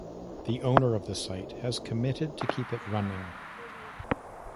The owner of the site has committed to keep it running.